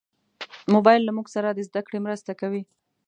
موبایل له موږ سره د زدهکړې مرسته کوي.